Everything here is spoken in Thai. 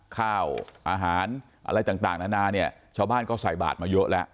ข้าวอาหารอะไรต่างนานาเนี่ยชาวบ้านก็ใส่บาทมาเยอะแล้ว